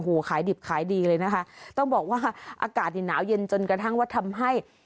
โอ้โหขายดิบขายดีเลยนะคะต้องบอกว่าอากาศนี่หนาวเย็นจนกระทั่งว่าทำให้